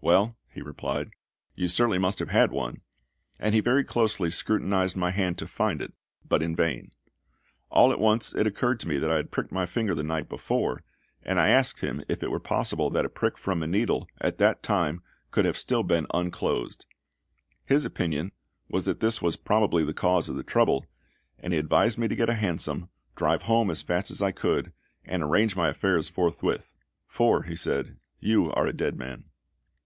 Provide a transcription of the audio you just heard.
"Well," he replied, "you certainly must have had one;" and he very closely scrutinised my hand to find it, but in vain. All at once it occurred to me that I had pricked my finger the night before, and I asked him if it were possible that a prick from a needle, at that time, could have been still unclosed. His opinion was that this was probably the cause of the trouble, and he advised me to get a hansom, drive home as fast as I could, and arrange my affairs forthwith. "For," he said, "you are a dead man."